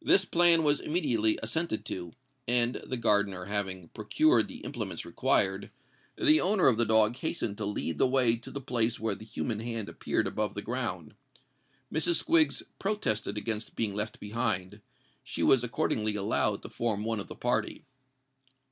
This plan was immediately assented to: and, the gardener having procured the implements required, the owner of the dog hastened to lead the way to the place where the human hand appeared above the ground. Mrs. Squiggs protested against being left behind: she was accordingly allowed to form one of the party.